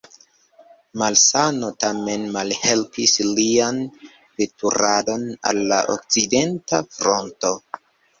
Malsano tamen malhelpis lian veturadon al la Okcidenta Fronto.